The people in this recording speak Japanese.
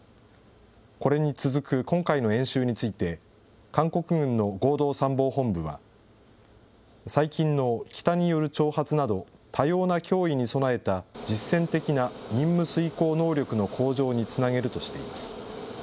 これに続く今回の演習について、韓国軍の合同参謀本部は、最近の北による挑発など、多様な脅威に備えた実戦的な任務遂行能力の向上につなげるとしています。